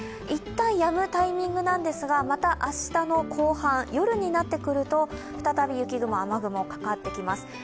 一旦やむタイミングなんですが、また明日の後半、夜になってくると再び雪雲、雨雲かかってきます。